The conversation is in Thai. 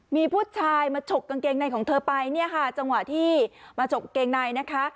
มีผู้ชายมาฉกกางเกงในของเธอไปเนี่ยค่ะจังหวะที่มาฉกกางเกงในนะคะ